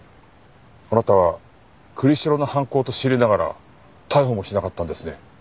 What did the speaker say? あなたは栗城の犯行と知りながら逮捕もしなかったんですね。